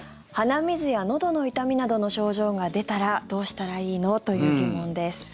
鼻水やのどの痛みなどの症状が出たらどうしたらいいの？という疑問です。